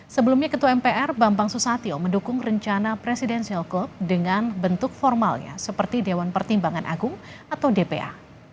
sebelumnya ketua mpr bambang susatyo mendukung rencana presidensial group dengan bentuk formalnya seperti dewan pertimbangan agung atau dpa